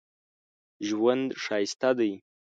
ژوند ښایسته دی